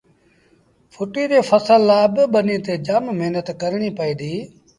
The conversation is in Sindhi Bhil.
ڦٽيٚ ري ڦسل لآبا ٻنيٚ تي جآم مهنت ڪرڻيٚ پئي ديٚ